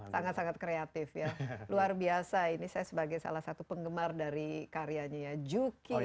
sangat sangat kreatif ya luar biasa ini saya sebagai salah satu penggemar dari karyanya ya juki